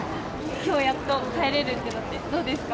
きょう、やっと帰れるとなってどうですか？